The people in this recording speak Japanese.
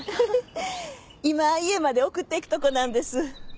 今家まで送っていくとこなんです。